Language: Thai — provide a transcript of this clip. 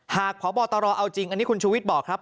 พบตรเอาจริงอันนี้คุณชูวิทย์บอกครับ